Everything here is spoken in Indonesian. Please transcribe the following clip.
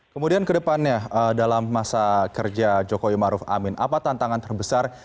kemudian kedepannya dalam masa kerja jokowi maruf amin apa tantangan terbesar